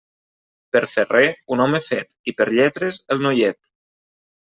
Per ferrer, un home fet, i per lletres, el noiet.